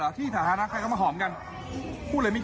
เอาเป็นว่าเทเมียสกางอากาศขนาดนี้